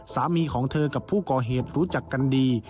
สามีของเธอกับผู้ก่อเหตุรู้จักกันดี